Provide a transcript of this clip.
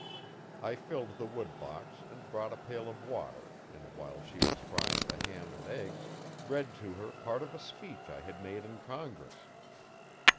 I filled the woodbox and brought a pail of water and while she was frying the ham and eggs read to her part of a speech I had made in Congress.